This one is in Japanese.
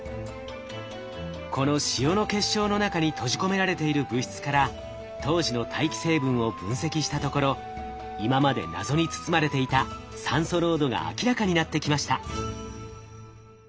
この塩の結晶の中に閉じ込められている物質から当時の大気成分を分析したところ今まで謎に包まれていた酸素濃度が明らかになってきました。